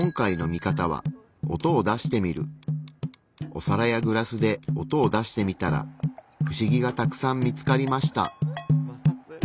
お皿やグラスで音を出してみたらふしぎがたくさん見つかりました。